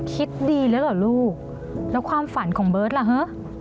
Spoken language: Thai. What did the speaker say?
คิดดีแล้วเหรอลูกแล้วความฝันของเบิร์ตล่ะฮะ